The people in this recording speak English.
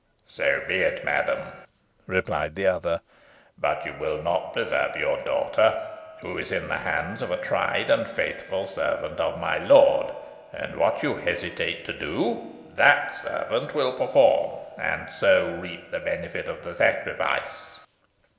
"So be it, madam," replied the other; "but you will not preserve your daughter, who is in the hands of a tried and faithful servant of my lord, and what you hesitate to do that servant will perform, and so reap the benefit of the sacrifice."